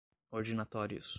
ordinatórios